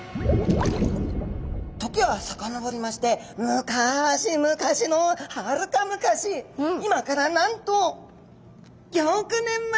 時はさかのぼりまして昔々のはるか昔今からなんと５億年前。